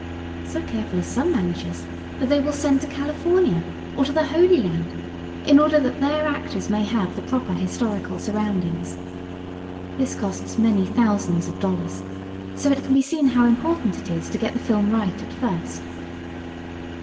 So careful are some managers that they will send to California, or to the Holy Land, in order that their actors may have the proper historical surroundings. This costs many thousands of dollars, so it can be seen how important it is to get the film right at first.